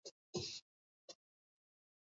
kilichoongozwa na sajinitaji Johann Merkl